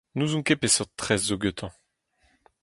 N'ouzon ket peseurt tres zo gantañ.